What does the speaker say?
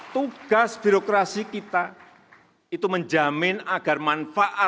tugas birokrasi kita itu menjamin agar manfaat program itu dirasakan oleh masyarakat